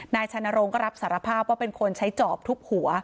นายชัยนรงค์ก็รับสารภาพว่าเป็นคนใช้จอบทุบหัว